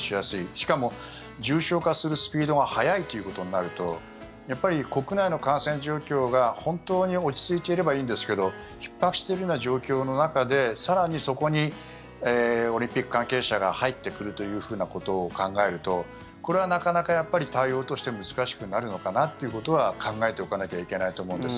しかも、重症化するスピードが速いということになると国内の感染状況が本当に落ち着いていればいいんですけどひっ迫しているような状況の中で更に、そこにオリンピック関係者が入ってくるということを考えるとこれはなかなか対応として難しくなるのかなということは考えておかなきゃいけないと思うんです。